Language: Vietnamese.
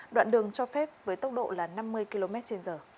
đoạn đường cho phép với tốc độ là năm mươi kmh